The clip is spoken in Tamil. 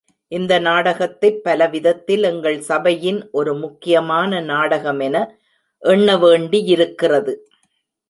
இந்த நாடகத்தைப் பலவிதத்தில் எங்கள் சபையின் ஒரு முக்கியமான நாடகமென எண்ண வேண்டியிருக்கிறது.